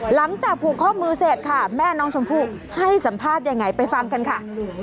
หลังจากผูกข้อมือเสร็จค่ะแม่น้องชมพู่ให้สัมภาษณ์ยังไงไปฟังกันค่ะ